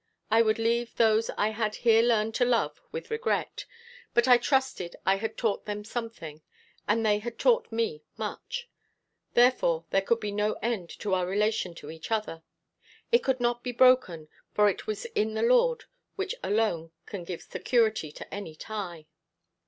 I would leave those I had here learned to love with regret; but I trusted I had taught them something, and they had taught me much; therefore there could be no end to our relation to each other it could not be broken, for it was in the Lord, which alone can give security to any tie.